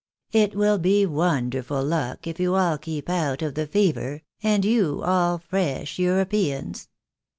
" It will be wonderful luck if you all keep out of the fever, and you all fresh Europeans."